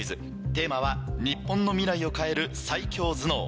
テーマは「日本の未来を変える最強頭脳」。